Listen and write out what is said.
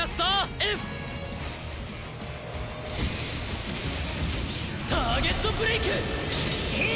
Ｆ！ターゲット・ブレイク！